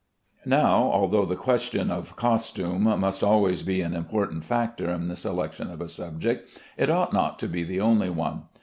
Now, although the question of costume must always be an important factor in the selection of a subject, it ought not to be the only one.